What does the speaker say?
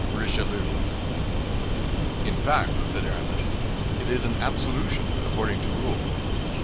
"RICHELIEU" "In fact," said Aramis, "it is an absolution according to rule."